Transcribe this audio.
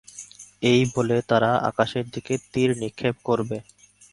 এই বলে তারা আকাশের দিকে তীর নিক্ষেপ করবে।